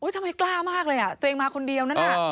ทำไมกล้ามากเลยตัวเองมาคนเดียวนั้น